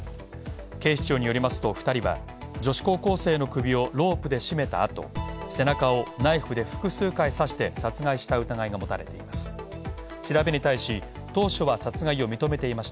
警視庁によりますと２人は女子高校生の首をロープで絞めたあと背中をナイフで複数回刺して殺害した疑いが持たれています。